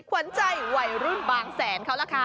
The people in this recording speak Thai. ขวัญใจวัยรุ่นบางแสนเขาล่ะค่ะ